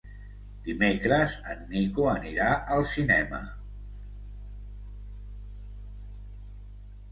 Dimecres en Nico anirà al cinema.